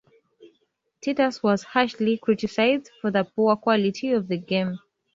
Titus was harshly criticized for the poor quality of the game.